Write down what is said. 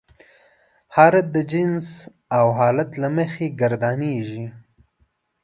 هر د جنس او حالت له مخې ګردانیږي.